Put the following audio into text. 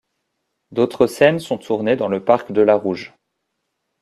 D'autres scènes sont tournées dans le Parc de la Rouge.